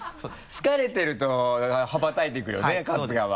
疲れてると羽ばたいていくよね春日は。